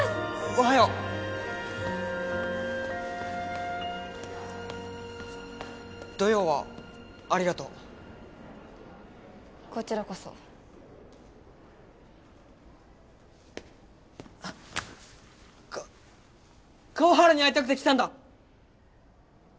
おはよう土曜はありがとうこちらこそか川原に会いたくて来たんだ！